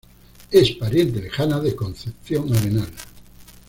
Es pariente lejana de Concepción Arenal.